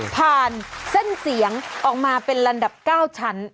เส้นเสียงออกมาเป็นลำดับ๙ชั้น